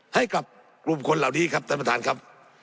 ให้กับกลุ่มคนเหล่านี้ครับท่านประธานครับ